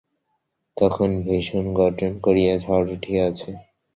তখন ভীষণ গর্জন করিয়া ঝড় উঠিয়াছে।